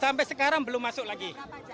sampai sekarang belum masuk lagi